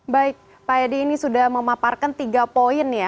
baik pak edi ini sudah memaparkan tiga poin ya